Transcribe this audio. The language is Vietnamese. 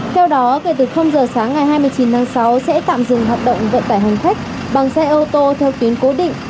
theo đó kể từ giờ sáng ngày hai mươi chín tháng sáu sẽ tạm dừng hoạt động vận tải hành khách bằng xe ô tô theo tuyến cố định